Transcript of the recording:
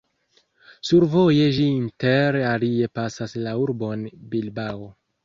Survoje ĝi inter alie pasas la urbon Bilbao.